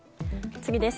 次です。